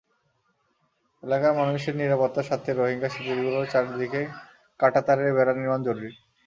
এলাকার মানুষের নিরাপত্তার স্বার্থে রোহিঙ্গা শিবিরগুলোর চারদিকে কাঁটাতারের বেড়া নির্মাণ জরুরি।